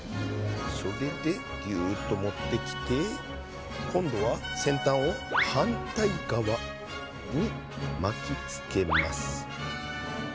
それでギュッと持ってきて今度は先端を反対側に巻きつけます。